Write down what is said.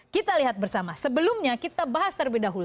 kita lihat bersama sebelumnya kita bahas terlebih dahulu